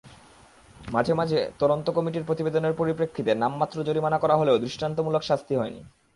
মাঝেমধ্যে তদন্ত কমিটির প্রতিবেদনের পরিপ্রেক্ষিতে নামমাত্র জরিমানা করা হলেও দৃষ্টান্তমূলক শাস্তি হয়নি।